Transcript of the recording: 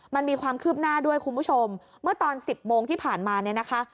มันมีความคืบหน้าด้วยคุณผู้ชมเมื่อตอนสิบโมงที่ผ่านมาเนี่ยนะคะ